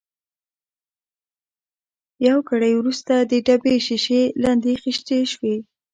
یو ګړی وروسته د ډبې شېشې لندې خېشتې شوې.